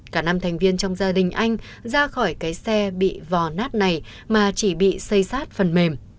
cả năm thành viên trong gia đình anh ra khỏi cái xe bị vò nát này mà chỉ bị xây sát phần mềm